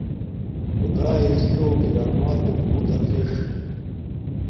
خدݳئݺ سِرݸ کرݳمݳتݸݣ بݸُت ݳکھݵݽ.